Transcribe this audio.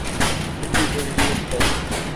This is a real test.